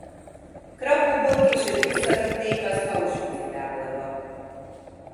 Krakkóból később visszavitték az Auschwitz-i táborba.